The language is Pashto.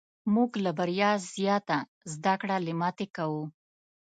موږ له بریا زیاته زده کړه له ماتې کوو.